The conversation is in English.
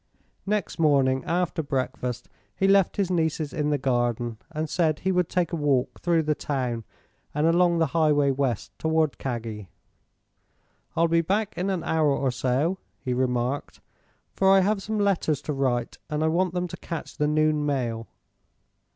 Next morning after breakfast he left his nieces in the garden and said he would take a walk through the town and along the highway west, toward Kaggi. "I'll be back in an hour or so," he remarked, "for I have some letters to write and I want them to catch the noon mail."